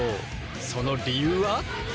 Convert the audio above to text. その理由は？